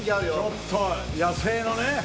ちょっと野生のね